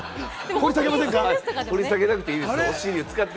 掘り下げなくていいですよ。